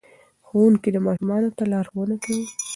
ښوونکی ماشومانو ته لارښوونه کوي.